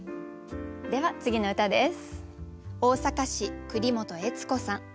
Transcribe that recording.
では次の歌です。